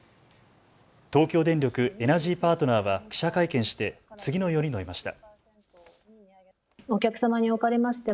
東京電力エナジーパートナーは記者会見して次のように述べました。